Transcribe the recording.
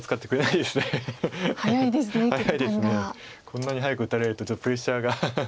こんなに早く打たれるとちょっとプレッシャーが。